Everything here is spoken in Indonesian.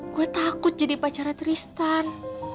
gue takut jadi pacaran tristan